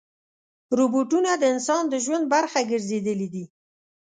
روبوټونه د انسان د ژوند برخه ګرځېدلي دي.